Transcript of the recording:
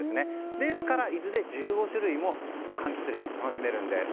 ですから伊豆で１５種類もかんきつ類が楽しめるんです。